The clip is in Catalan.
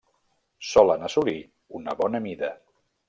Solen assolir una bona mida.